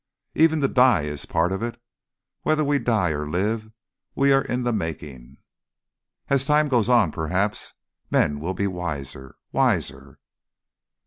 Even to die is part of it. Whether we die or live, we are in the making.... "As time goes on perhaps men will be wiser.... Wiser....